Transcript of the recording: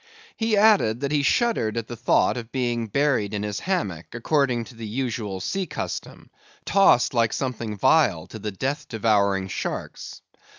He added, that he shuddered at the thought of being buried in his hammock, according to the usual sea custom, tossed like something vile to the death devouring sharks.